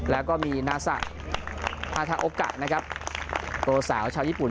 แล้วก็มีนาซ่าฮาทาโอปกะตัวสาวชาวญี่ปุ่น